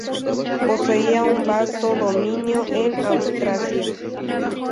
Poseía un vasto dominio en Austrasia.